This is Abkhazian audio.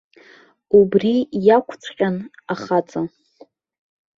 Убри иакәҵәҟьан ахаҵа!